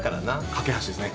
架け橋ですね。